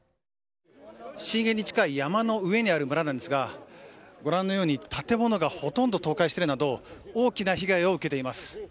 震源に近い山の上にある村なんですが、ご覧のように、建物がほとんど倒壊してるなど、大きな被害を受けています。